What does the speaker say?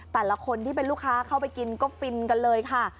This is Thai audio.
แต่ละคนที่เป็นลูกค้าเข้าไปกินก็ฟินกันเลยค่ะ